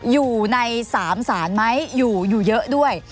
อยู่ใน๓ศาลไหมอยู่เยอะด้วย